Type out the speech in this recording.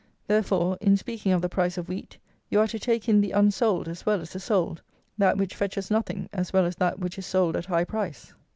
Therefore, in speaking of the price of wheat, you are to take in the unsold as well as the sold; that which fetches nothing as well as that which is sold at high price.